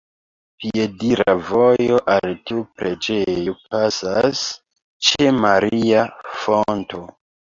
Piedira vojo al tiu preĝejo pasas ĉe "maria fonto".